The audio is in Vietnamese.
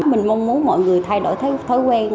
mình mong muốn mọi người thay đổi thói quen